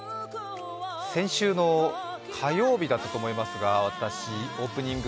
先週の火曜日だったと思いますが私、オープニング